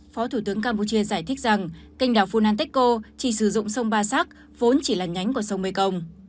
phó thủ tướng campuchia giải thích rằng kênh đảo phunanteco chỉ sử dụng sông ba sắc vốn chỉ là nhánh của sông mekong